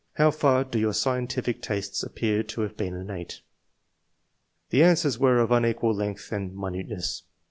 How &t do your scientific tastes appeax to have been innate!" The anawers were of unequal length and minuteness.